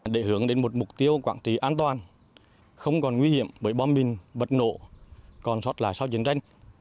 để hướng đến một mục tiêu quảng trị an toàn không còn nguy hiểm bởi bom mìn vật nổ còn sót lại sau chiến tranh